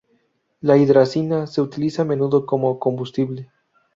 La hidracina se utiliza a menudo como combustible.